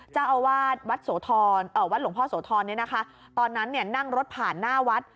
เจ้าอาวาสวัดหลวงพ่อโสธรตอนนั้นนั่งรถผ่านหน้าวัด